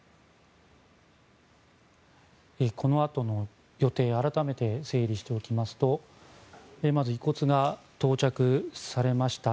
このあとの予定を改めて整理しておきますとまず遺骨が到着されました。